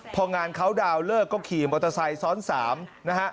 พองานเขาดาวน์เลิกก็ขี่มอเตอร์ไซค์ซ้อน๓นะฮะ